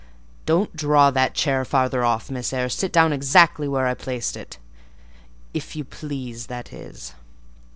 Don't draw that chair farther off, Miss Eyre; sit down exactly where I placed it—if you please, that is.